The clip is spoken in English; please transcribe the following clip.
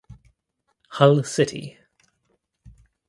Hull City